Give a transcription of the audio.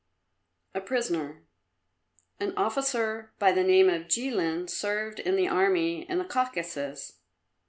A PRISONER An officer by the name of Jilin served in the army in the Caucasus.